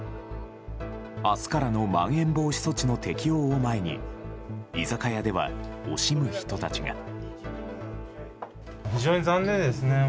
明日からのまん延防止措置の適用を前に居酒屋では惜しむ人たちが。